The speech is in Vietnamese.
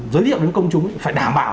giới thiệu đến công chúng phải đảm bảo